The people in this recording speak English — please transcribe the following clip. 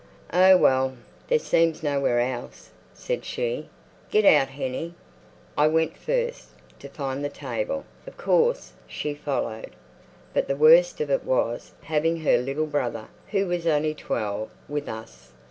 "Oh well, there seems nowhere else," said she. "Get out, Hennie." I went first—to find the table, of course—she followed. But the worst of it was having her little brother, who was only twelve, with us.